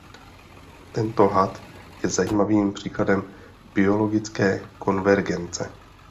Tento had je zajímavým příkladem biologické konvergence.